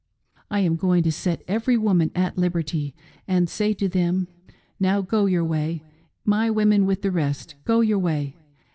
" I am going to set every woman at liberty, and say to them, Now go your way — ^my women with the rest ; go your way.